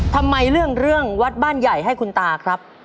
ทำไมเลือกเรื่องวัดบ้านใหญ่ให้คุณตาครับ